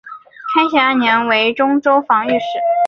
开禧二年为忠州防御使。